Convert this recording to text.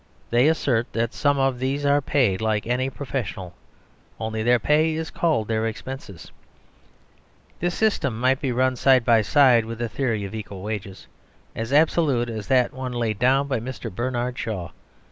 They assert that some of these are paid like any professional; only their pay is called their expenses. This system might run side by side with a theory of equal wages, as absolute as that once laid down by Mr. Bernard Shaw.